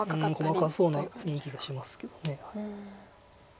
細かそうな雰囲気がしますけど。